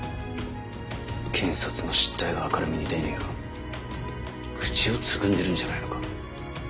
検察の失態が明るみに出ぬよう口をつぐんでるんじゃないのか。